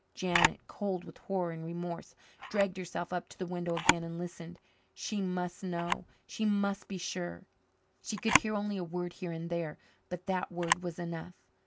Janet, cold with horror and remorse, dragged herself up to the window again and listened. She must know she must be sure. She could hear only a word here and there, but that word was enough.